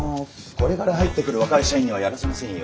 これから入ってくる若い社員にはやらせませんよ。